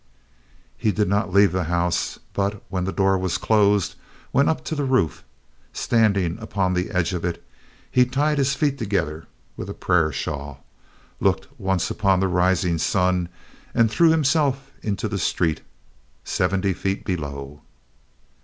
He did not leave the house, but, when the door was closed, went up to the roof. Standing upon the edge of it, he tied his feet together with the prayer shawl, looked once upon the rising sun, and threw himself into the street, seventy feet below.